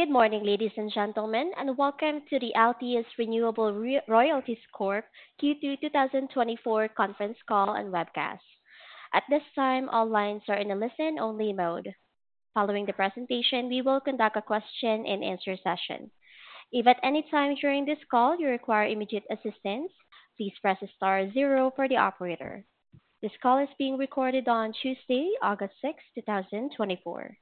Good morning, ladies and gentlemen, and welcome to the Altius Renewable Royalties Corp Q2 2024 conference call and webcast. At this time, all lines are in a listen-only mode. Following the presentation, we will conduct a question-and-answer session. If at any time during this call you require immediate assistance, please press star zero for the operator. This call is being recorded on Tuesday, August sixth, two thousand twenty-four.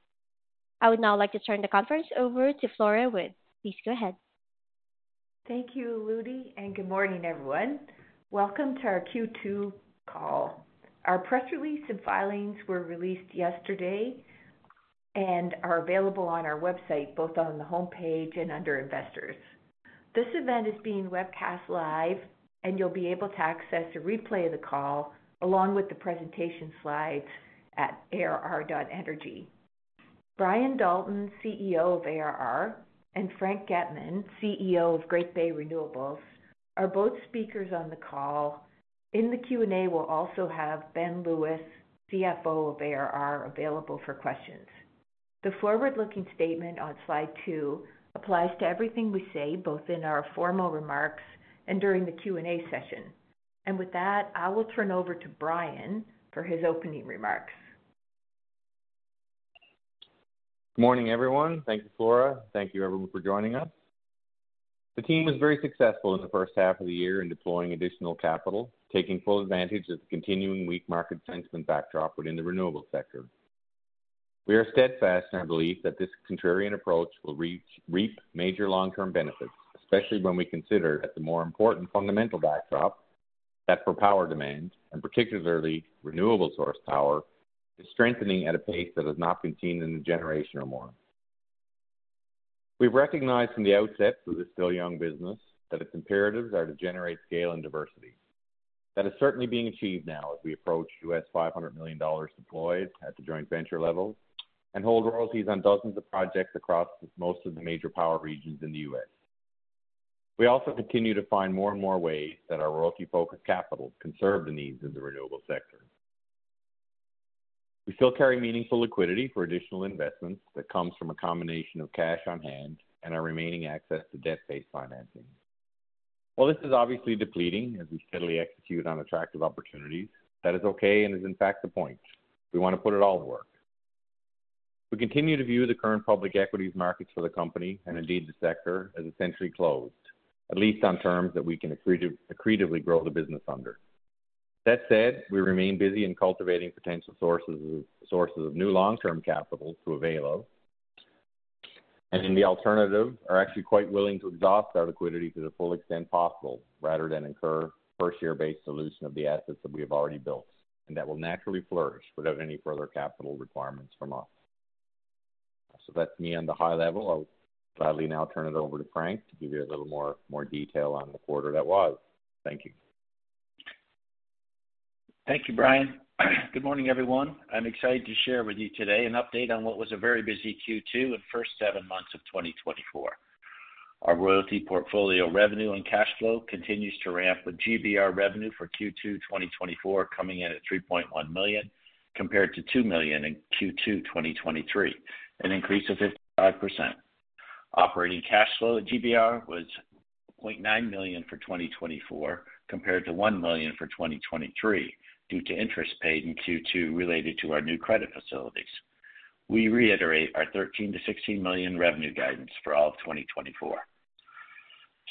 I would now like to turn the conference over to Flora Wood. Please go ahead. Thank you, Rudy, and good morning, everyone. Welcome to our Q2 call. Our press release and filings were released yesterday and are available on our website, both on the homepage and under Investors. This event is being webcast live, and you'll be able to access a replay of the call, along with the presentation slides at arr.energy. Brian Dalton, CEO of ARR, and Frank Getman, CEO of Great Bay Renewables, are both speakers on the call. In the Q&A, we'll also have Ben Lewis, CFO of ARR, available for questions. The forward-looking statement on slide 2 applies to everything we say, both in our formal remarks and during the Q&A session. And with that, I will turn over to Brian for his opening remarks. Good morning, everyone. Thank you, Flora. Thank you, everyone, for joining us. The team was very successful in the first half of the year in deploying additional capital, taking full advantage of the continuing weak market sentiment backdrop within the renewable sector. We are steadfast in our belief that this contrarian approach will reap major long-term benefits, especially when we consider that the more important fundamental backdrop that for power demand, and particularly renewable source power, is strengthening at a pace that has not been seen in a generation or more. We've recognized from the outset of this still young business that its imperatives are to generate scale and diversity. That is certainly being achieved now as we approach $500 million deployed at the joint venture level and hold royalties on dozens of projects across most of the major power regions in the U.S. We also continue to find more and more ways that our royalty-focused capital can serve the needs of the renewable sector. We still carry meaningful liquidity for additional investments that comes from a combination of cash on hand and our remaining access to debt-based financing. While this is obviously depleting as we steadily execute on attractive opportunities, that is okay and is in fact the point. We want to put it all to work. We continue to view the current public equities markets for the company, and indeed the sector, as essentially closed, at least on terms that we can accretively grow the business under. That said, we remain busy in cultivating potential sources of new long-term capital to avail of, and in the alternative, are actually quite willing to exhaust our liquidity to the full extent possible, rather than incur first year-based dilution of the assets that we have already built, and that will naturally flourish without any further capital requirements from us. So that's me on the high level. I'll gladly now turn it over to Frank to give you a little more detail on the quarter that was. Thank you. Thank you, Brian. Good morning, everyone. I'm excited to share with you today an update on what was a very busy Q2 and first seven months of 2024. Our royalty portfolio revenue and cash flow continues to ramp, with GBR revenue for Q2 2024 coming in at $3.1 million, compared to $2 million in Q2 2023, an increase of 55%. Operating cash flow at GBR was $0.9 million for 2024, compared to $1 million for 2023, due to interest paid in Q2 related to our new credit facilities. We reiterate our $13 million-$16 million revenue guidance for all of 2024.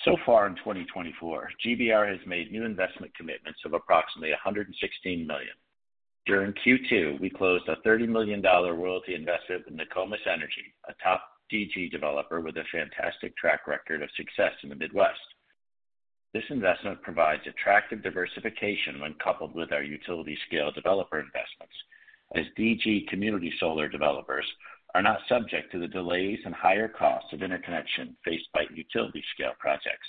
So far in 2024, GBR has made new investment commitments of approximately $116 million. During Q2, we closed a $30 million royalty investment with Nokomis Energy, a top DG developer with a fantastic track record of success in the Midwest. This investment provides attractive diversification when coupled with our utility scale developer investments, as DG community solar developers are not subject to the delays and higher costs of interconnection faced by utility scale projects.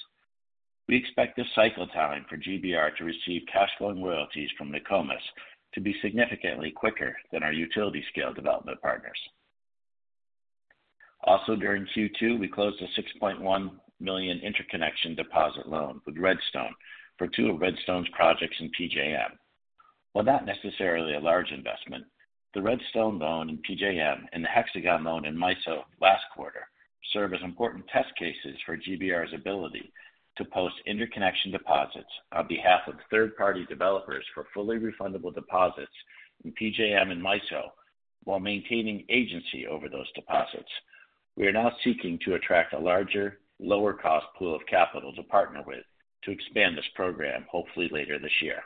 We expect the cycle time for GBR to receive cash flow and royalties from Nokomis to be significantly quicker than our utility scale development partners. Also, during Q2, we closed a $6.1 million interconnection deposit loan with Redstone for two of Redstone's projects in PJM. While not necessarily a large investment, the Redstone loan in PJM and the Hexagon loan in MISO last quarter serve as important test cases for GBR's ability to post interconnection deposits on behalf of third-party developers for fully refundable deposits in PJM and MISO while maintaining agency over those deposits. We are now seeking to attract a larger, lower-cost pool of capital to partner with to expand this program, hopefully later this year.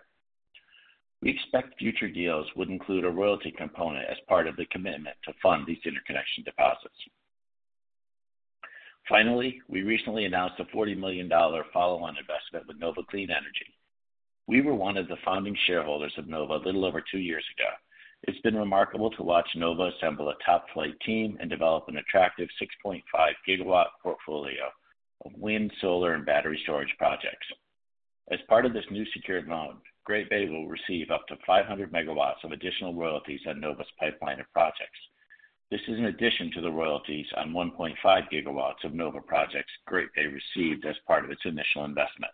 We expect future deals would include a royalty component as part of the commitment to fund these interconnection deposits. Finally, we recently announced a $40 million follow-on investment with Nova Clean Energy. We were one of the founding shareholders of Nova a little over two years ago. It's been remarkable to watch Nova assemble a top-flight team and develop an attractive 6.5-GW portfolio of wind, solar, and battery storage projects. As part of this new secured loan, Great Bay will receive up to 500 megawatts of additional royalties on Nova's pipeline of projects. This is in addition to the royalties on 1.5 gigawatts of Nova projects Great Bay received as part of its initial investment.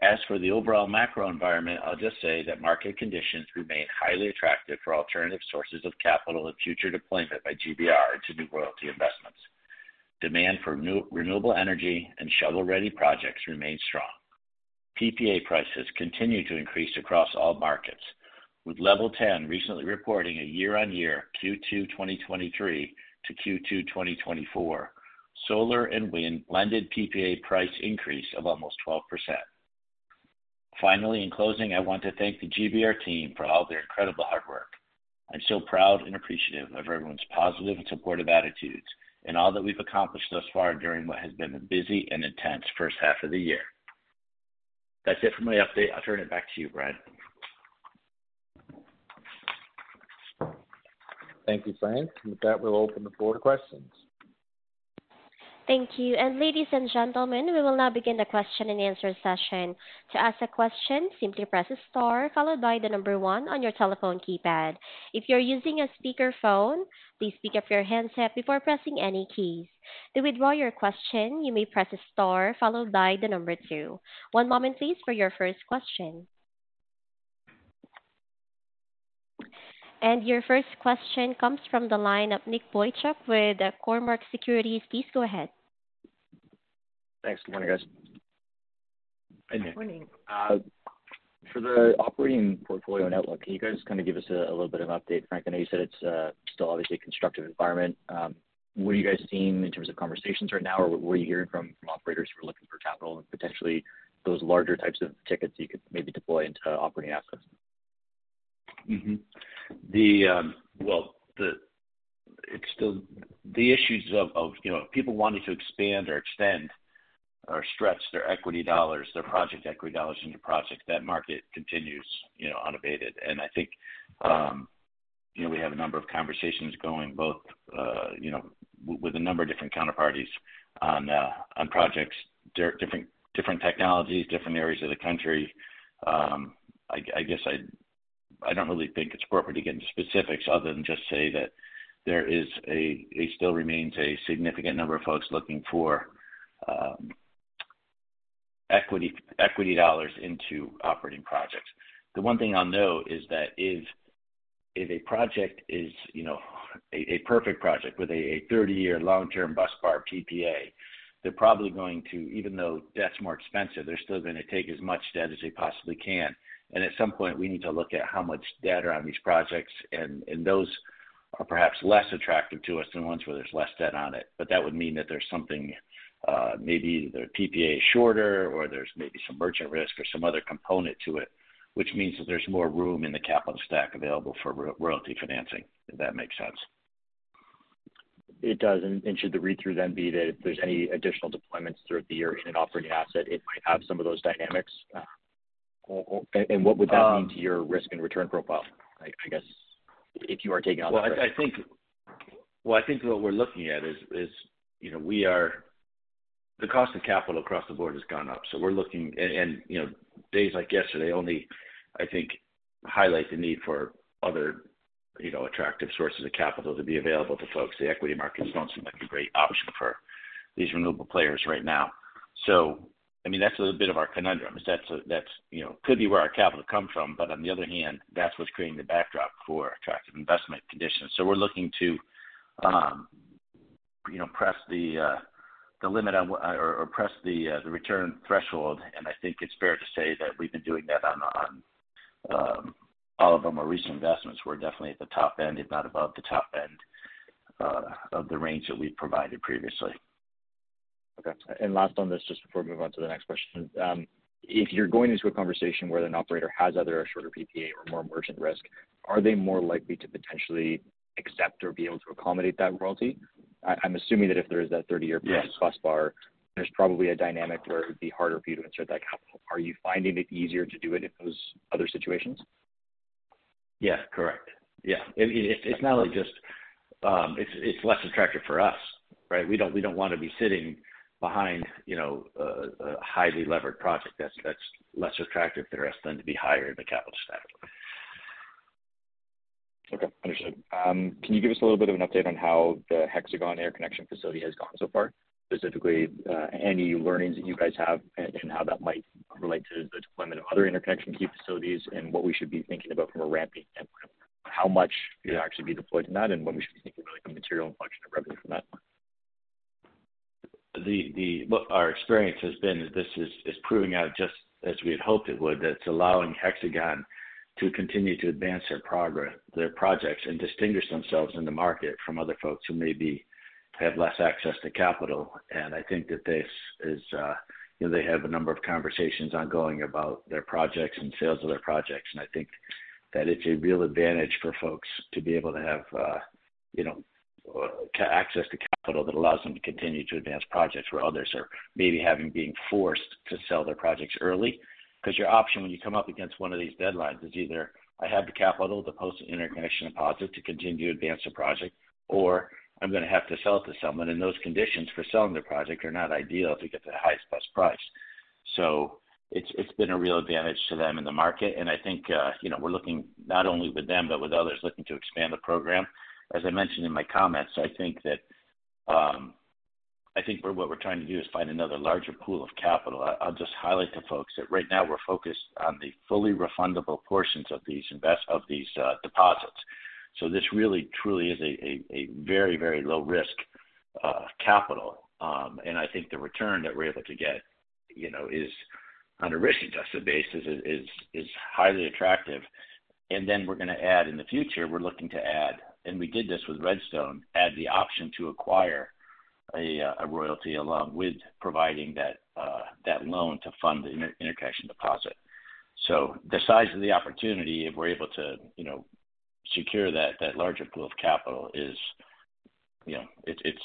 As for the overall macro environment, I'll just say that market conditions remain highly attractive for alternative sources of capital and future deployment by GBR to new royalty investments. Demand for new renewable energy and shovel-ready projects remains strong. PPA prices continue to increase across all markets, with LevelTen recently reporting a year-on-year Q2 2023 to Q2 2024, solar and wind blended PPA price increase of almost 12%. Finally, in closing, I want to thank the GBR team for all their incredible hard work. I'm so proud and appreciative of everyone's positive and supportive attitudes and all that we've accomplished thus far during what has been a busy and intense first half of the year. That's it for my update. I'll turn it back to you, Brian. Thank you, Frank. With that, we'll open the floor to questions. Thank you. And ladies and gentlemen, we will now begin the question and answer session. To ask a question, simply press star, followed by the number one on your telephone keypad. If you're using a speakerphone, please pick up your handset before pressing any keys. To withdraw your question, you may press star followed by the number two. One moment, please, for your first question. And your first question comes from the line of Nicholas Boychuk with Cormark Securities. Please go ahead. Thanks. Good morning, guys. Good morning. For the operating portfolio and outlook, can you guys kind of give us a little bit of an update, Frank? I know you said it's still obviously a constructive environment. What are you guys seeing in terms of conversations right now, or what are you hearing from operators who are looking for capital and potentially those larger types of tickets you could maybe deploy into operating assets? Mm-hmm. Well, it's still the issues of you know, people wanting to expand or extend or stretch their equity dollars, their project equity dollars into projects, that market continues you know, unabated. And I think you know, we have a number of conversations going both you know, with a number of different counterparties on on projects, different technologies, different areas of the country. I guess I don't really think it's appropriate to get into specifics other than just say that there is still remains a significant number of folks looking for equity dollars into operating projects. The one thing I'll note is that if a project is, you know, a perfect project with a 30-year long-term busbar PPA, they're probably going to, even though debt's more expensive, they're still gonna take as much debt as they possibly can. And at some point, we need to look at how much debt are on these projects, and those are perhaps less attractive to us than ones where there's less debt on it. But that would mean that there's something, maybe their PPA is shorter, or there's maybe some merchant risk or some other component to it, which means that there's more room in the capital stack available for royalty financing, if that makes sense. It does. And should the read-through then be that if there's any additional deployments throughout the year in an operating asset, it might have some of those dynamics? And what would that mean to your risk and return profile, I guess, if you are taking on- Well, I think what we're looking at is, you know, we are the cost of capital across the board has gone up, so we're looking and, you know, days like yesterday only, I think, highlight the need for other, you know, attractive sources of capital to be available to folks. The equity markets don't seem like a great option for these renewable players right now. So, I mean, that's a bit of our conundrum, is that's, you know, could be where our capital comes from, but on the other hand, that's what's creating the backdrop for attractive investment conditions. So we're looking to, you know, press the limit on or press the return threshold, and I think it's fair to say that we've been doing that on all of our more recent investments. We're definitely at the top end, if not above the top end, of the range that we've provided previously. Okay. And last on this, just before we move on to the next question. If you're going into a conversation where an operator has either a shorter PPA or more merchant risk, are they more likely to potentially accept or be able to accommodate that royalty? I, I'm assuming that if there is that 30-year- Yes... busbar, there's probably a dynamic where it would be harder for you to insert that capital. Are you finding it easier to do it in those other situations? Yeah, correct. Yeah. It's not like just, it's, it's less attractive for us, right? We don't, we don't want to be sitting behind, you know, a, a highly levered project that's, that's less attractive to the rest than to be higher in the capital stack. Okay, understood. Can you give us a little bit of an update on how the Hexagon interconnection facility has gone so far? Specifically, any learnings that you guys have and, and how that might relate to the deployment of other interconnection queue facilities, and what we should be thinking about from a ramping standpoint? How much could actually be deployed in that and what we should be thinking about from a material function of revenue from that one? What our experience has been is this is proving out just as we had hoped it would, that it's allowing Hexagon to continue to advance their projects and distinguish themselves in the market from other folks who maybe have less access to capital. And I think that this is, you know, they have a number of conversations ongoing about their projects and sales of their projects. And I think that it's a real advantage for folks to be able to have, you know, access to capital that allows them to continue to advance projects, where others are maybe having been forced to sell their projects early. Because your option when you come up against one of these deadlines is either I have the capital to post an interconnection deposit to continue to advance the project, or I'm gonna have to sell it to someone, and those conditions for selling the project are not ideal to get the highest best price. So it's been a real advantage to them in the market, and I think you know, we're looking not only with them, but with others looking to expand the program. As I mentioned in my comments, I think what we're trying to do is find another larger pool of capital. I'll just highlight to folks that right now we're focused on the fully refundable portions of these deposits. So this really truly is a very, very low risk capital. And I think the return that we're able to get, you know, is on a risk-adjusted basis highly attractive. And then we're gonna add, in the future, we're looking to add, and we did this with Redstone, add the option to acquire a royalty along with providing that loan to fund the interconnection deposit. So the size of the opportunity, if we're able to, you know, secure that larger pool of capital is, you know, it's,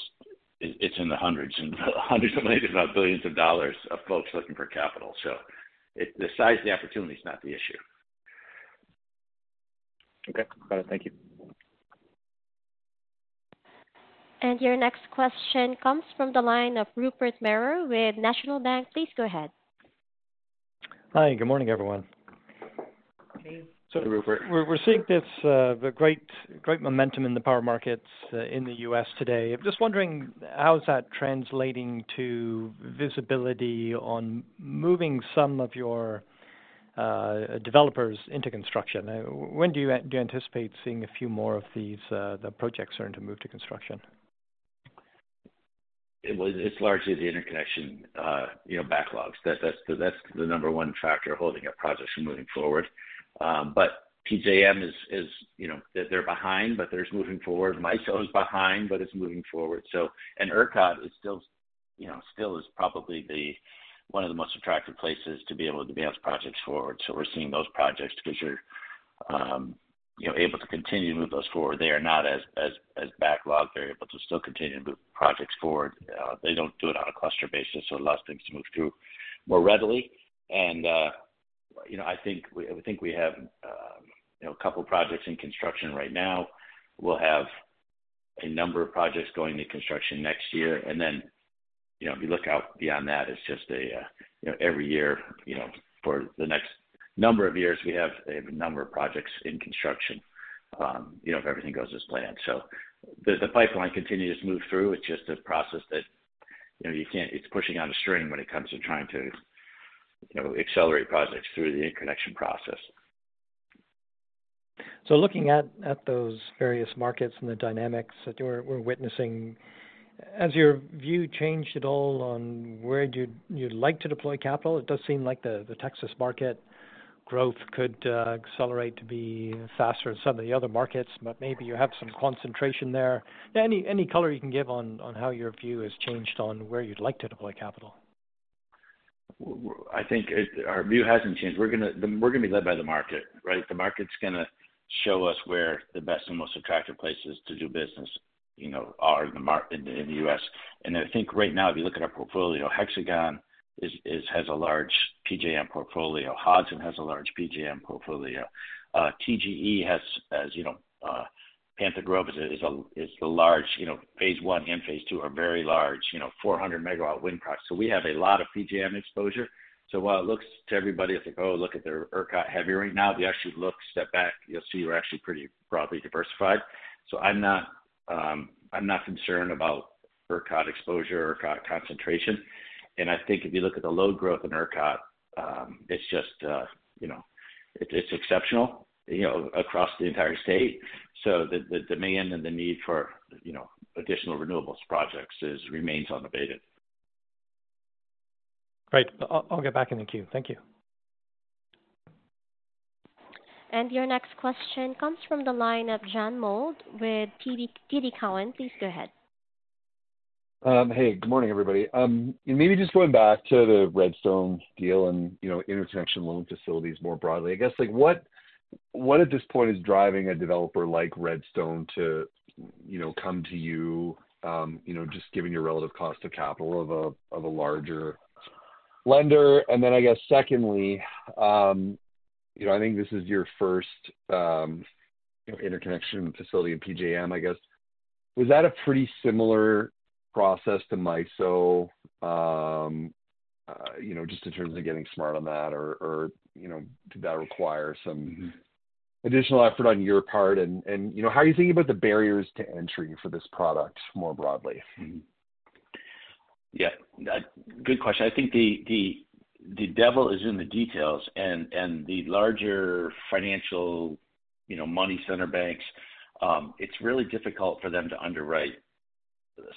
it's in the hundreds and hundreds of millions, if not billions of dollars of folks looking for capital. So it, the size of the opportunity is not the issue. Okay, got it. Thank you. Your next question comes from the line of Rupert Merer with National Bank. Please go ahead. Hi, good morning, everyone. Sorry, Rupert. We're seeing this, the great, great momentum in the power markets in the U.S. today. I'm just wondering, how is that translating to visibility on moving some of your developers into construction? When do you anticipate seeing a few more of these projects starting to move to construction? Well, it's largely the interconnection, you know, backlogs. That's the number one factor holding our projects from moving forward. But PJM is, you know, they're behind, but they're moving forward. MISO is behind, but it's moving forward. So, and ERCOT is still, you know, still is probably the one of the most attractive places to be able to advance projects forward. So we're seeing those projects because you're, you know, able to continue to move those forward. They are not as backlogged. They're able to still continue to move projects forward. They don't do it on a cluster basis, so it allows things to move through more readily. And, you know, I think we have, you know, a couple projects in construction right now. We'll have a number of projects going to construction next year. And then, you know, if you look out beyond that, it's just a, you know, every year, you know, for the next number of years, we have a number of projects in construction, you know, if everything goes as planned. So the, the pipeline continues to move through. It's just a process that, you know, you can't-- It's pushing on a string when it comes to trying to, you know, accelerate projects through the interconnection process. Looking at those various markets and the dynamics that we're witnessing, has your view changed at all on where you'd like to deploy capital? It does seem like the Texas market growth could accelerate to be faster than some of the other markets, but maybe you have some concentration there. Any color you can give on how your view has changed on where you'd like to deploy capital? I think our view hasn't changed. We're gonna be led by the market, right? The market's gonna show us where the best and most attractive places to do business, you know, are in the market in the US. And I think right now, if you look at our portfolio, Hexagon has a large PJM portfolio. Hodson has a large PJM portfolio. TGE has, as you know, Panther Grove is a large, you know, phase one and phase two are very large, you know, 400 MW wind projects. So we have a lot of PJM exposure. So while it looks to everybody, it's like, oh, look at their ERCOT heavy right now, if you actually look, step back, you'll see we're actually pretty broadly diversified. So I'm not, I'm not concerned about ERCOT exposure or ERCOT concentration. And I think if you look at the load growth in ERCOT, it's just, you know, it's, it's exceptional, you know, across the entire state. So the, the demand and the need for, you know, additional renewables projects is... Remains unabated. Great. I'll get back in the queue. Thank you. Your next question comes from the line of John Mould with TD Cowen. Please go ahead. Hey, good morning, everybody. Maybe just going back to the Red Stone deal and, you know, interconnection loan facilities more broadly. I guess, like, what, what at this point is driving a developer like Redstone to, you know, come to you, you know, just giving you relative cost of capital of a, of a larger lender? And then I guess secondly, you know, I think this is your first, interconnection facility in PJM, I guess. Was that a pretty similar process to MISO, you know, just in terms of getting smart on that? Or, or, you know, did that require some additional effort on your part? And, and, you know, how are you thinking about the barriers to entry for this product more broadly? Yeah, good question. I think the devil is in the details, and the larger financial, you know, money center banks, it's really difficult for them to underwrite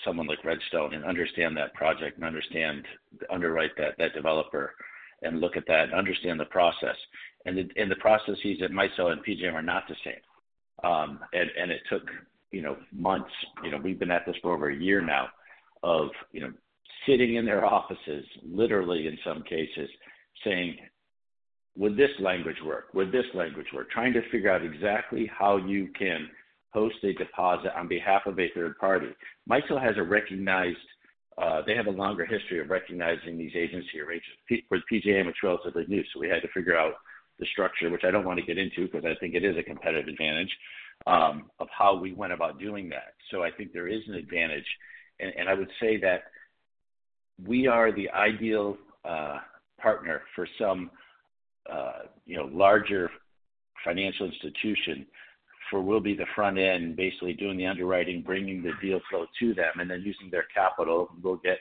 someone like Red Stone and understand that project and understand, underwrite that developer and look at that and understand the process. And the processes at MISO and PJM are not the same. And it took, you know, months. You know, we've been at this for over a year now of, you know, sitting in their offices, literally in some cases, saying: Would this language work? Would this language work? Trying to figure out exactly how you can post a deposit on behalf of a third party. MISO has a recognized, they have a longer history of recognizing these agency arrangements. With PJM, it's relatively new, so we had to figure out the structure, which I don't want to get into, because I think it is a competitive advantage of how we went about doing that. So I think there is an advantage, and I would say that we are the ideal partner for some, you know, larger financial institution, for we'll be the front end, basically doing the underwriting, bringing the deal flow to them, and then using their capital, we'll get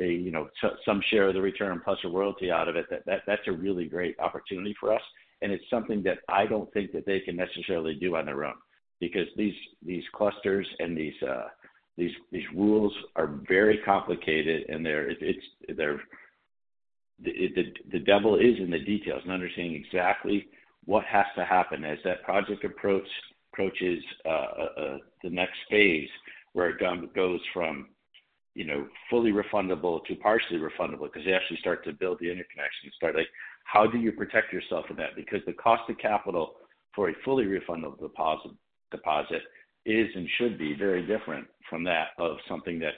a, you know, some share of the return plus a royalty out of it. That's a really great opportunity for us, and it's something that I don't think that they can necessarily do on their own. Because these clusters and these rules are very complicated, and they're the devil is in the details and understanding exactly what has to happen as that project approaches the next phase, where it goes from, you know, fully refundable to partially refundable, because they actually start to build the interconnection and start, like, how do you protect yourself from that? Because the cost of capital for a fully refundable deposit is, and should be very different from that of something that's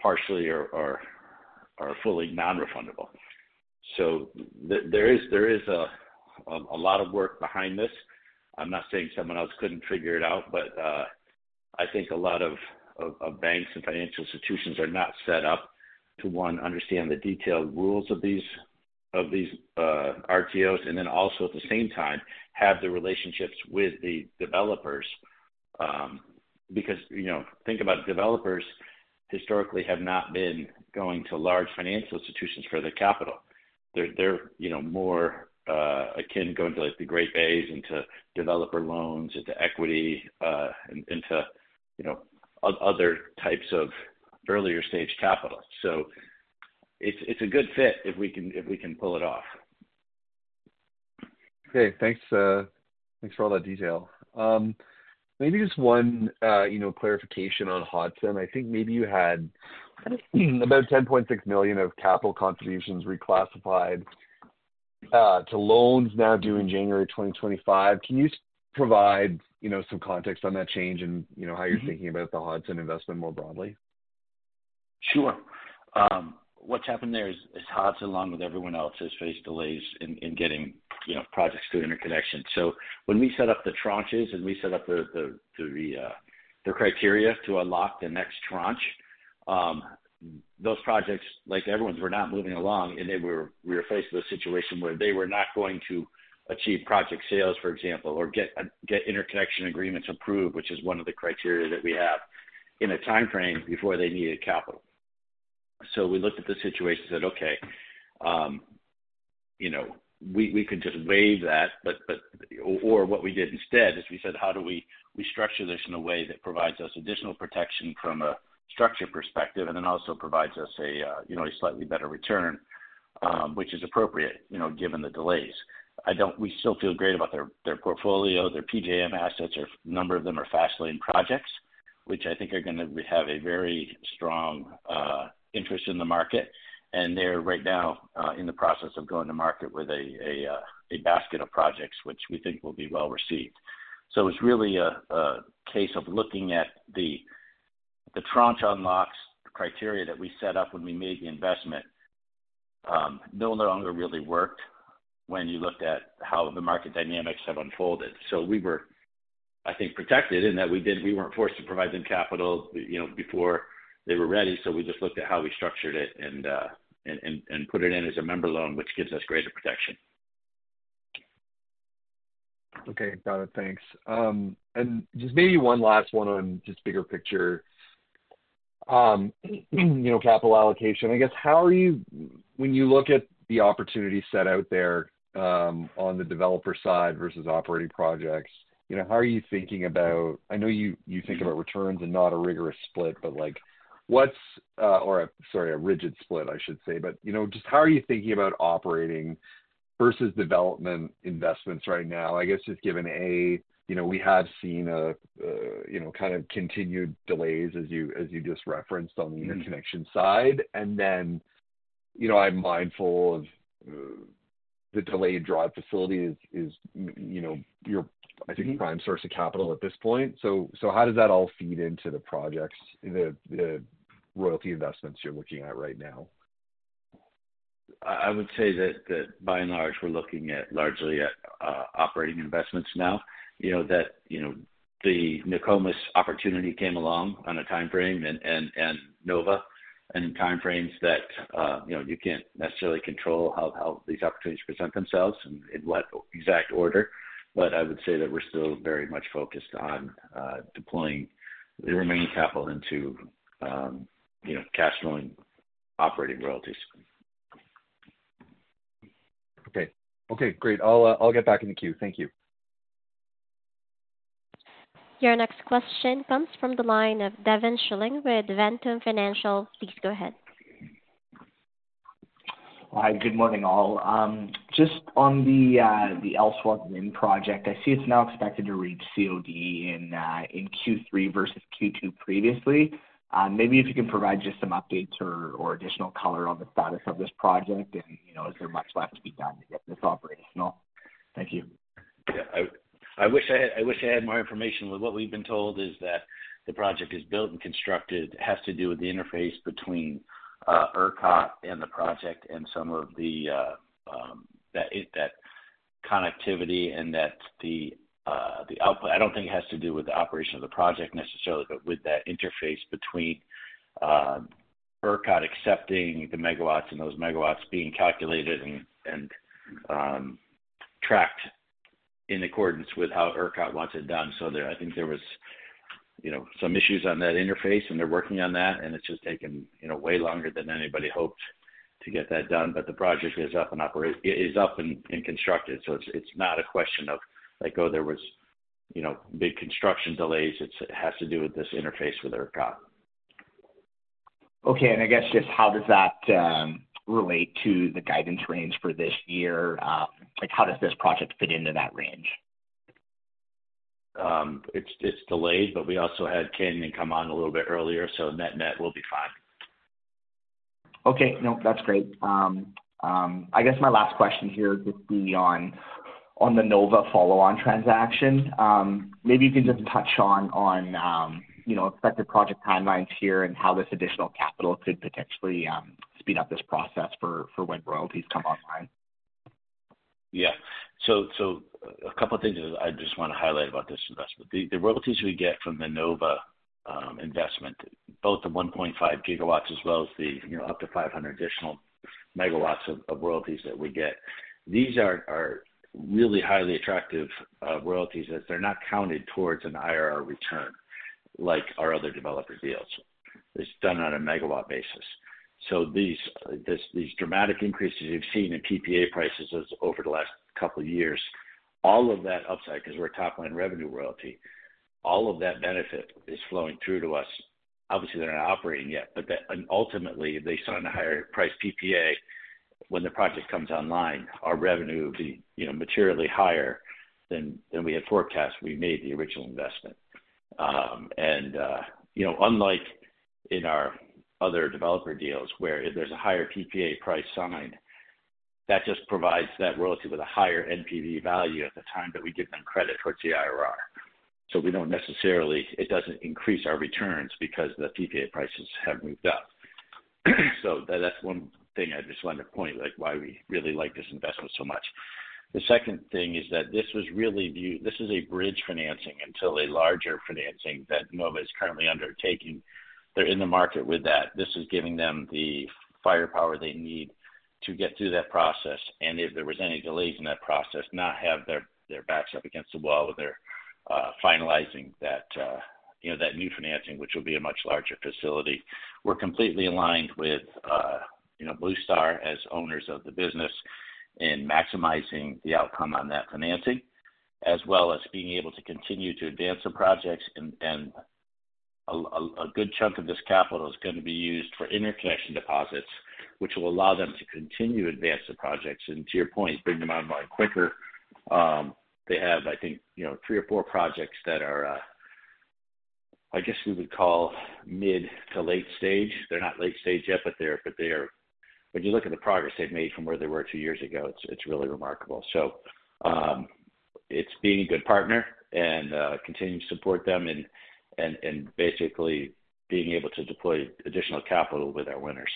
partially or fully non-refundable. So there is a lot of work behind this. I'm not saying someone else couldn't figure it out, but, I think a lot of banks and financial institutions are not set up to, one, understand the detailed rules of these, RTOs, and then also, at the same time, have the relationships with the developers. Because, you know, think about developers historically have not been going to large financial institutions for their capital. They're, you know, more, akin going to, like, the Great Bays and to developer loans, and to equity, and into, you know, other types of earlier stage capital. So it's, it's a good fit if we can, if we can pull it off. Okay, thanks, thanks for all that detail. Maybe just one, you know, clarification on Hodson. I think maybe you had about $10.6 million of capital contributions reclassified to loans now due in January 2025. Can you provide, you know, some context on that change and, you know, how you're thinking about the Hodson investment more broadly? Sure. What's happened there is, is Hodson, along with everyone else, has faced delays in getting, you know, projects through interconnection. So when we set up the tranches and we set up the criteria to unlock the next tranche, those projects, like everyone's, were not moving along, and we were faced with a situation where they were not going to achieve project sales, for example, or get interconnection agreements approved, which is one of the criteria that we have, in a timeframe before they needed capital. So we looked at the situation and said, "Okay, you know, we, we could just waive that." But, but... What we did instead is we said, "How do we structure this in a way that provides us additional protection from a structure perspective, and then also provides us a, you know, a slightly better return, which is appropriate, you know, given the delays?" I don't. We still feel great about their portfolio. Their PJM assets are. A number of them are fast lane projects, which I think are gonna have a very strong interest in the market, and they're right now in the process of going to market with a basket of projects, which we think will be well received. So it's really a case of looking at the tranche unlocks criteria that we set up when we made the investment, no longer really worked when you looked at how the market dynamics have unfolded. So we were, I think, protected in that we weren't forced to provide them capital, you know, before they were ready. So we just looked at how we structured it and put it in as a member loan, which gives us greater protection. Okay, got it. Thanks. And just maybe one last one on just the bigger picture. You know, capital allocation. I guess, how are you... When you look at the opportunity set out there, on the developer side versus operating projects, you know, how are you thinking about—I know you, you think about returns and not a rigorous split, but, like, what's, or sorry, a rigid split, I should say. But, you know, just how are you thinking about operating versus development investments right now? I guess just given, you know, we have seen, you know, kind of continued delays, as you just referenced on the interconnection side. And then, you know, I'm mindful of the delayed draw facility, you know, your, I think, prime source of capital at this point. So, how does that all feed into the projects, the royalty investments you're looking at right now? I would say that by and large, we're looking at largely at operating investments now. You know, the Nokomis opportunity came along on a timeframe and Nova, and timeframes that you know, you can't necessarily control how these opportunities present themselves and in what exact order. But I would say that we're still very much focused on deploying the remaining capital into you know, cash flowing, operating royalties. Okay. Okay, great. I'll, I'll get back in the queue. Thank you. Your next question comes from the line of Devin Schilling with Ventum Financial. Please go ahead. Hi, good morning, all. Just on the, the El Sauz Wind project, I see it's now expected to reach COD in, in Q3 versus Q2 previously. Maybe if you can provide just some updates or, or additional color on the status of this project and, you know, is there much left to be done to get this operational? Thank you. Yeah, I wish I had more information. But what we've been told is that the project is built and constructed. It has to do with the interface between ERCOT and the project and some of the connectivity, and that the output, I don't think it has to do with the operation of the project necessarily, but with that interface between ERCOT accepting the megawatts and those megawatts being calculated and tracked in accordance with how ERCOT wants it done. So there I think there was, you know, some issues on that interface, and they're working on that, and it's just taken, you know, way longer than anybody hoped to get that done. But the project is up and operating, is up and constructed, so it's not a question of like, oh, there was, you know, big construction delays. It's, it has to do with this interface with ERCOT. Okay. And I guess, just how does that relate to the guidance range for this year? Like, how does this project fit into that range? It's delayed, but we also had Canyon come on a little bit earlier, so net-net, we'll be fine. Okay. No, that's great. I guess my last question here would be on the Nova follow-on transaction. Maybe you can just touch on you know expected project timelines here and how this additional capital could potentially speed up this process for when royalties come online? Yeah. So, a couple of things I just want to highlight about this investment. The royalties we get from the Nova investment, both the 1.5 gigawatts as well as the, you know, up to 500 additional megawatts of royalties that we get, these are really highly attractive royalties, as they're not counted towards an IRR return like our other developer deals. It's done on a megawatt basis. So these dramatic increases you've seen in PPA prices over the last couple of years, all of that upside, because we're a top-line revenue royalty, all of that benefit is flowing through to us. Obviously, they're not operating yet, but and ultimately, if they sign a higher priced PPA, when the project comes online, our revenue will be, you know, materially higher than, than we had forecast when we made the original investment. And, you know, unlike in our other developer deals, where if there's a higher PPA price signed, that just provides that royalty with a higher NPV value at the time that we give them credit towards the IRR. So we don't necessarily, it doesn't increase our returns because the PPA prices have moved up. So that's one thing I just wanted to point, like, why we really like this investment so much. The second thing is that this was really this is a bridge financing until a larger financing that Nova is currently undertaking. They're in the market with that. This is giving them the firepower they need to get through that process, and if there was any delays in that process, not have their backs up against the wall with their finalizing that, you know, that new financing, which will be a much larger facility. We're completely aligned with, you know, Bluestar as owners of the business in maximizing the outcome on that financing, as well as being able to continue to advance the projects. And a good chunk of this capital is going to be used for interconnection deposits, which will allow them to continue to advance the projects, and to your point, bring them online quicker. They have, I think, you know, 3 or 4 projects that are, I guess we would call mid- to late-stage. They're not late stage yet, but they're, but they're... When you look at the progress they've made from where they were two years ago, it's, it's really remarkable. So, it's being a good partner and continuing to support them and basically being able to deploy additional capital with our winners.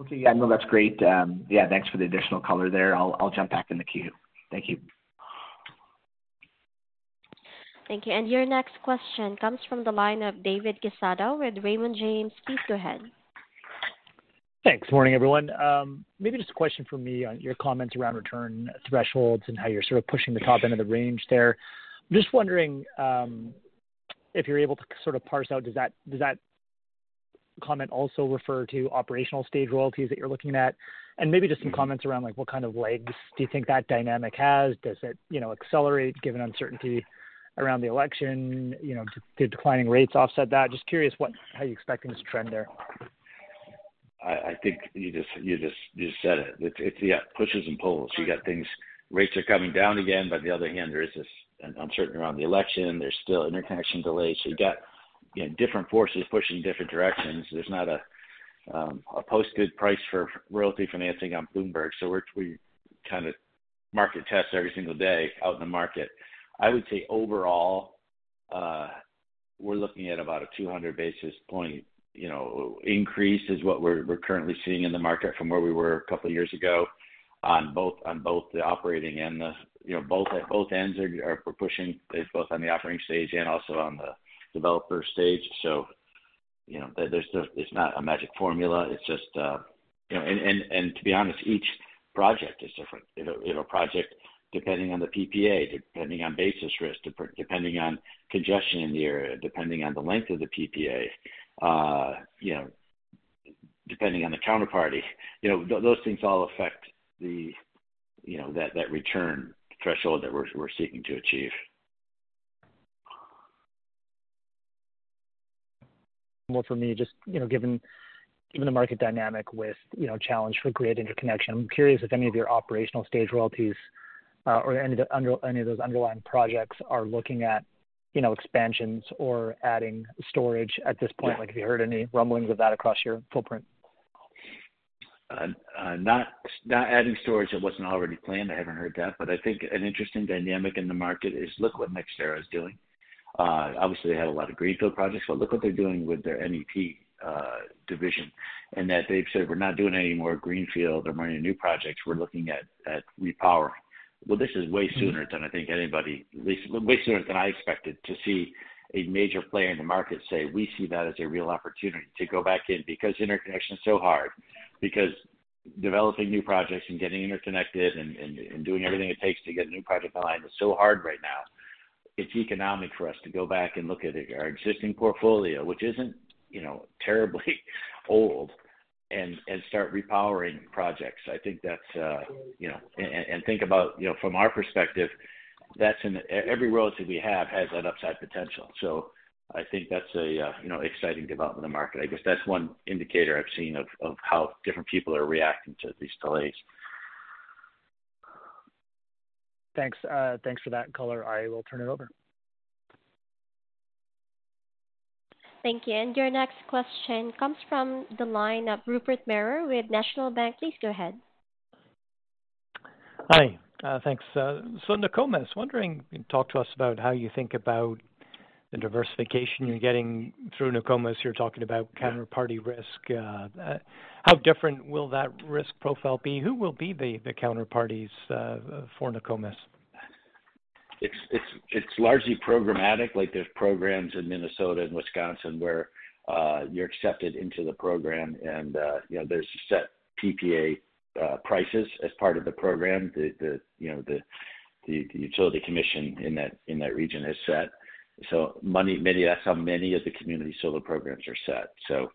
Okay, yeah, no, that's great. Yeah, thanks for the additional color there. I'll, I'll jump back in the queue. Thank you. Thank you. And your next question comes from the line of David Quesada with Raymond James. Please go ahead. Thanks. Morning, everyone. Maybe just a question from me on your comments around return thresholds and how you're sort of pushing the top end of the range there. Just wondering, if you're able to sort of parse out, does that comment also refer to operational stage royalties that you're looking at? And maybe just some comments around, like, what kind of legs do you think that dynamic has. Does it, you know, accelerate given uncertainty around the election, you know, did declining rates offset that? Just curious what how you expect in this trend there. I think you just said it. It's yeah, pushes and pulls. You got things, rates are coming down again, but the other hand, there is this uncertainty around the election. There's still interconnection delays. So you've got, you know, different forces pushing different directions. There's not a post good price for royalty financing on Bloomberg, so we're, we kind of market test every single day out in the market. I would say overall, we're looking at about a 200 basis point, you know, increase is what we're currently seeing in the market from where we were a couple of years ago on both the operating and the, you know, both at both ends. We're pushing it both on the operating stage and also on the developer stage. So, you know, it's not a magic formula, it's just, you know. And to be honest, each project is different. You know, project, depending on the PPA, depending on basis risk, depending on congestion in the area, depending on the length of the PPA, you know, depending on the counterparty, you know, those things all affect the, you know, that return threshold that we're seeking to achieve. Well, for me, just, you know, given the market dynamic with, you know, challenge for grid interconnection, I'm curious if any of your operational stage royalties, or any of those underlying projects are looking at, you know, expansions or adding storage at this point? Yeah. Like, have you heard any rumblings of that across your footprint? Not adding storage that wasn't already planned. I haven't heard that, but I think an interesting dynamic in the market is, look what NextEra is doing... obviously they had a lot of greenfield projects, but look what they're doing with their NEP division, and that they've said, "We're not doing any more greenfield or running new projects. We're looking at repowering." Well, this is way sooner than I think anybody, at least way sooner than I expected, to see a major player in the market say, "We see that as a real opportunity to go back in," because interconnection is so hard, because developing new projects and getting interconnected and doing everything it takes to get a new project online is so hard right now. It's economic for us to go back and look at our existing portfolio, which isn't, you know, terribly old, and start repowering projects. I think that's, you know, and think about, you know, from our perspective, that's every royalty we have has that upside potential. So I think that's, you know, exciting development in the market. I guess that's one indicator I've seen of how different people are reacting to these delays. Thanks. Thanks for that color. I will turn it over. Thank you. Your next question comes from the line of Rupert Merer with National Bank Financial. Please go ahead. Hi, thanks. So Nokomis, wondering, can you talk to us about how you think about the diversification you're getting through Nokomis? You're talking about counterparty risk, how different will that risk profile be? Who will be the counterparties for Nokomis? It's largely programmatic, like, there's programs in Minnesota and Wisconsin where you're accepted into the program and you know, there's set PPA prices as part of the program. The utility commission in that region has set. So many- that's how many of the community solar programs are set. So,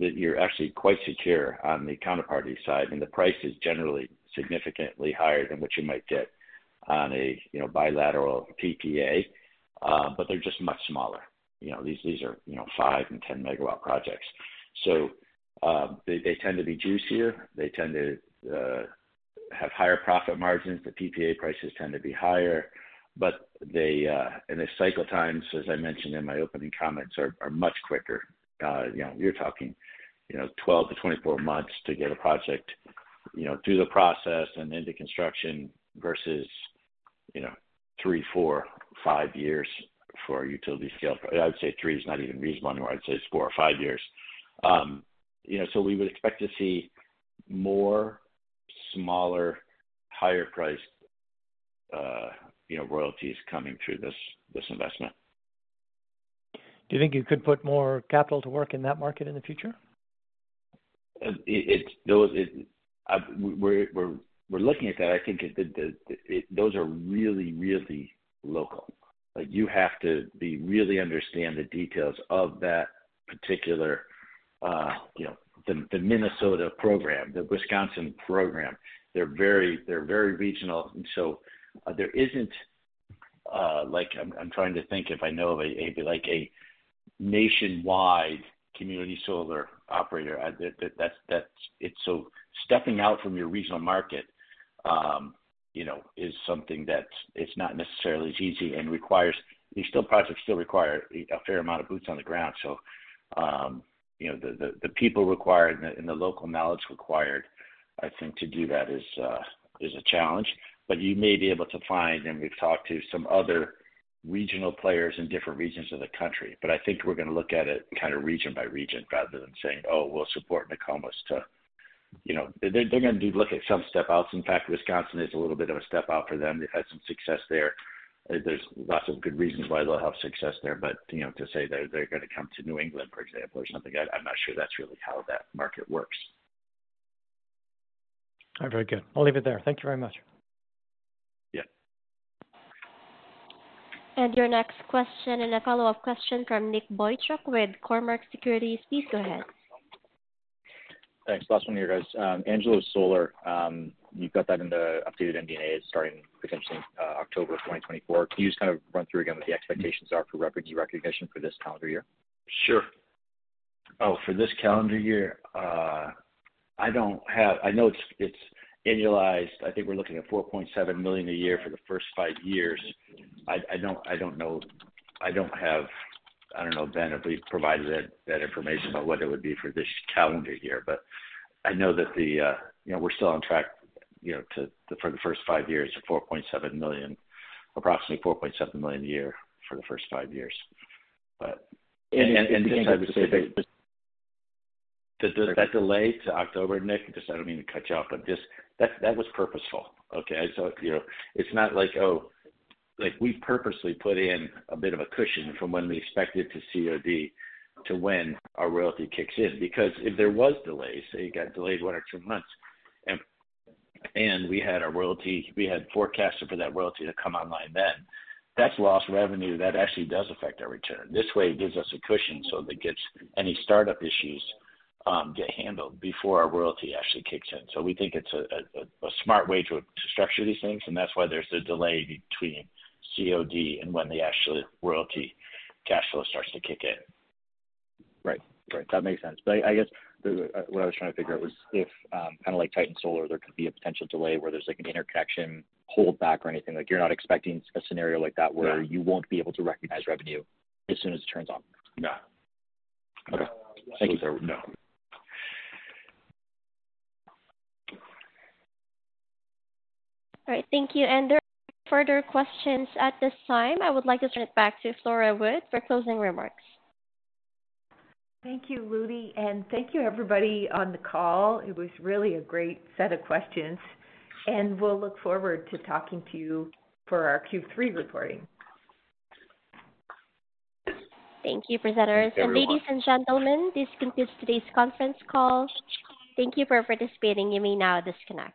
you're actually quite secure on the counterparty side, and the price is generally significantly higher than what you might get on a bilateral PPA. But they're just much smaller. You know, these are 5 and 10 megawatt projects. So, they tend to be juicier. They tend to have higher profit margins. The PPA prices tend to be higher, but they and the cycle times, as I mentioned in my opening comments, are much quicker. You know, you're talking, you know, 12-24 months to get a project, you know, through the process and into construction versus, you know, 3, 4, 5 years for a utility-scale. I would say 3 is not even reasonable anymore. I'd say it's 4 or 5 years. You know, so we would expect to see more smaller, higher-priced, you know, royalties coming through this, this investment. Do you think you could put more capital to work in that market in the future? We're looking at that. I think those are really, really local. Like, you have to be really understand the details of that particular, you know, the Minnesota program, the Wisconsin program. They're very regional, and so, there isn't, like... I'm trying to think if I know of a nationwide community solar operator. That's- it's so- stepping out from your regional market, you know, is something that's, it's not necessarily as easy and requires- these projects still require a fair amount of boots on the ground. So, you know, the people required and the local knowledge required, I think, to do that is a challenge. But you may be able to find, and we've talked to some other regional players in different regions of the country, but I think we're gonna look at it kind of region by region, rather than saying, "Oh, we'll support Nokomis to..." You know, they're, they're gonna do look at some step outs. In fact, Wisconsin is a little bit of a step out for them. They've had some success there. There's lots of good reasons why they'll have success there, but, you know, to say they're, they're gonna come to New England, for example, or something, I, I'm not sure that's really how that market works. All right, very good. I'll leave it there. Thank you very much. Yeah. Your next question and a follow-up question from Nick Boychuk with Cormark Securities. Please go ahead. Thanks. Last one here, guys. Angelo Solar, you've got that in the updated MD&A starting potentially, October of 2024. Can you just kind of run through again what the expectations are for revenue recognition for this calendar year? Sure. Oh, for this calendar year, I don't have—I know it's annualized. I think we're looking at $4.7 million a year for the first five years. I don't know, Ben, have we provided that information about what it would be for this calendar year? But I know that, you know, we're still on track, you know, to, for the first five years to $4.7 million, approximately $4.7 million a year for the first five years. But- And I would say- that delay to October, Nick, just I don't mean to cut you off, but just that was purposeful, okay? So, you know, it's not like, oh, like we purposely put in a bit of a cushion from when we expected to COD to when our royalty kicks in. Because if there was delays, so you got delayed one or two months, and we had our royalty, we had forecasted for that royalty to come online then, that's lost revenue. That actually does affect our return. This way, it gives us a cushion, so that gets any startup issues, get handled before our royalty actually kicks in. So we think it's a smart way to structure these things, and that's why there's a delay between COD and when the actual royalty cash flow starts to kick in. Right. Right, that makes sense. But I, I guess, the what I was trying to figure out was if, kind of like Titan Solar, there could be a potential delay where there's, like, an interconnection holdback or anything. Like, you're not expecting a scenario like that? No. where you won't be able to recognize revenue as soon as it turns on? No. Okay. Thank you. No. All right. Thank you. There are further questions at this time. I would like to turn it back to Flora Wood for closing remarks. Thank you, Rudy, and thank you, everybody, on the call. It was really a great set of questions, and we'll look forward to talking to you for our Q3 reporting. Thank you, presenters. Thank you, everyone. Ladies and gentlemen, this concludes today's conference call. Thank you for participating. You may now disconnect.